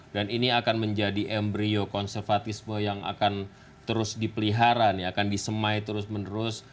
dan ini akan menjadi embryo konservatisme yang akan terus dipelihara nih akan disemai terus menerus